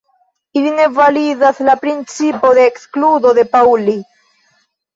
Ili ne validas la principo de ekskludo de Pauli.